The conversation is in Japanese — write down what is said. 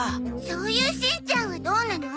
そういうしんちゃんはどうなの？